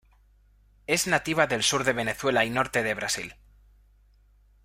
Es nativa del sur de Venezuela y norte de Brasil.